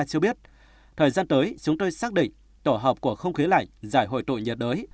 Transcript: cho biết thời gian tới chúng tôi xác định tổ hợp của không khí lạnh giải hội tụ nhiệt đới